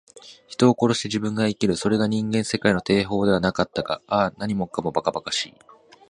人を殺して自分が生きる。それが人間世界の定法ではなかったか。ああ、何もかも、ばかばかしい。